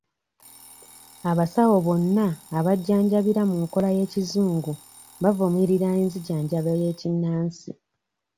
Abasawo bonna abajjanjabira mu nkola ey'ekizungu bavumirira enzijanjaba y'ekinnansi.